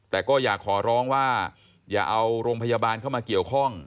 แต่ก็อยากขอร้องว่าอย่าเอาโรงพยาบาลเข้ามาเกี่ยวข้อง